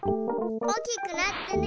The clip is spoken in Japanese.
おおきくなってね。